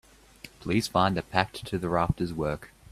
Please find the Packed to the Rafters work.